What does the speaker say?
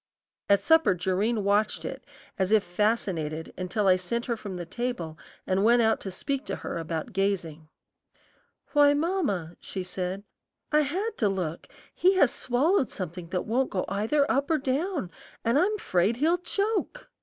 At supper Jerrine watched it as if fascinated until I sent her from the table and went out to speak to her about gazing. "Why, mamma," she said, "I had to look; he has swallowed something that won't go either up or down, and I'm 'fraid he'll choke."